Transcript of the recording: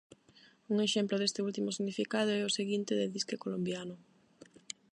Un exemplo deste último significado é o seguinte de disque colombiano: